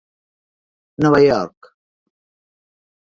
Nova York: